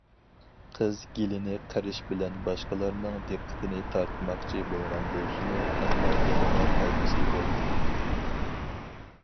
قىز گېلىنى قىرىش بىلەن باشقىلارنىڭ دىققىتىنى تارتماقچى بولغان بولسىمۇ، ئەمما يەنىلا پايدىسى بولمىدى.